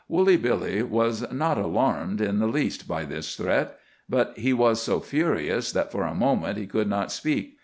Woolly Billy was not alarmed in the least by this threat. But he was so furious that for a moment he could not speak.